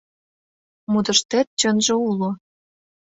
— Мутыштет чынже уло.